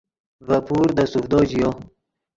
ڤے پور دے سوڤدو ژیو